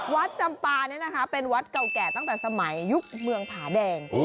วัดจำปานี่นะคะเป็นวัดเก่าแก่ตั้งแต่สมัยยุคเมืองผาแดง